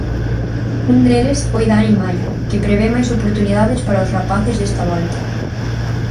Un deles foi Dani Mallo, que prevé máis oportunidades para os rapaces desta volta.